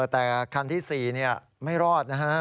แต่คันที่๔ไม่รอดนะฮะ